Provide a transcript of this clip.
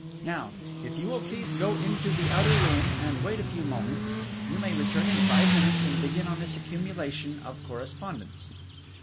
And now, if you will please go into the outer room and wait a few moments, you may return in five minutes and begin on this accumulation of correspondence."